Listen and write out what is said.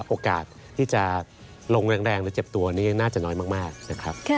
โอกาสที่จะลงแรงและเจ็บตัวนี่น่าจะน้อยมาก